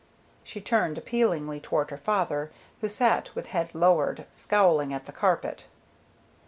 She turned appealingly toward her father, who sat with head lowered, scowling at the carpet.